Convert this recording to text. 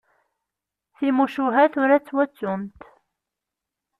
Timucuha tura ttwattunt.